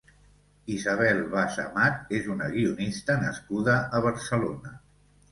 Isabel Bas Amat és una guionista nascuda a Barcelona.